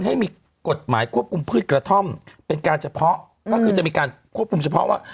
ให้มีกฎหมายควบคุมพืชกระท่อมเป็นการเฉพาะก็คือจะมีการควบคุมเฉพาะว่า